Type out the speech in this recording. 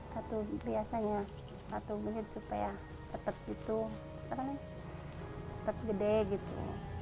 satu biasanya satu menit supaya cepat gitu cepat gede gitu